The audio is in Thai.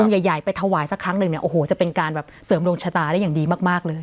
ใหญ่ไปถวายสักครั้งหนึ่งเนี่ยโอ้โหจะเป็นการแบบเสริมดวงชะตาได้อย่างดีมากเลย